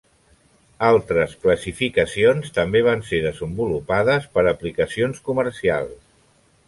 Altres classificacions també van ser desenvolupades per aplicacions comercials.